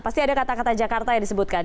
pasti ada kata kata jakarta yang disebutkan